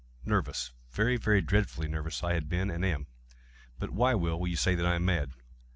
—nervous—very, very dreadfully nervous I had been and am; but why will you say that I am mad?